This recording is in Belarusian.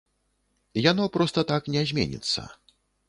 Яно проста так не зменіцца.